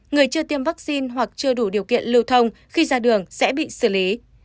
người chưa tiêm vaccine hoặc chưa đủ điều kiện lưu thông khi ra đường sẽ bị xử lý